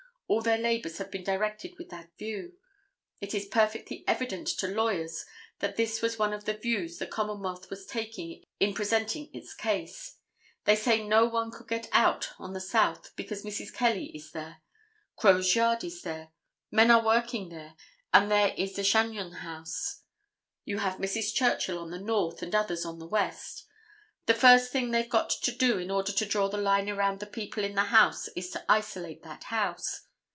All their labors have been directed with that view. It is perfectly evident to lawyers that this was one of the views the Commonwealth was taking in presenting its case. They say no one could get out on the south because Mrs. Kelly is there, Crowe's yard is there, men are working there and there is the Chagnon house. You have Mrs. Churchill on the north and others on the west. The first thing they've got to do in order to draw the line around the people in the house is to isolate that house.